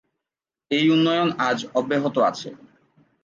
এই উন্নয়ন আজ অব্যাহত আছে।